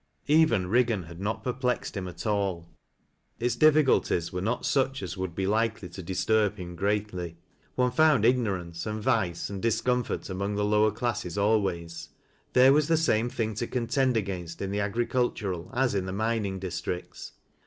Eyen Higgan had not perplexed him at all. Its difficul 1 ies were not such as would be likely to disturb him greatly, One f(. und ignorance, and vice, and discomfort among the ii.wer classes always ; there was the same thing to contend against in the agricultural as in the mining districts.